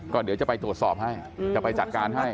ก็เดี๋ยวจะไปตรวจสอบให้จะไปจัดการให้